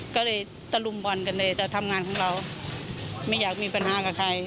ก็เลยตะลุมบอลกันเลยแต่ทำงานของเราไม่อยากมีปัญหากับใคร